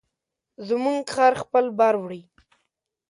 زموږ خر خپل بار وړي.